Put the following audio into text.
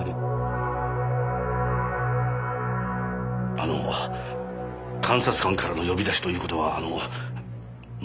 あの監察官からの呼び出しという事はあのまさか。